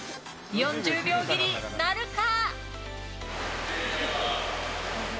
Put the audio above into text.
４０秒切りなるか。